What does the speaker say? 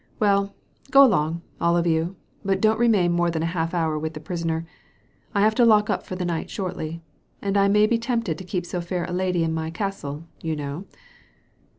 Well, go along, all of you, but don't remain more than half an hour with the prisoner. I have to lock up for the night shortly ; and I may be tempted to keep so fair a lady in my castle^ you know."